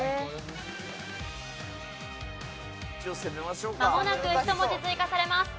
まもなく１文字追加されます。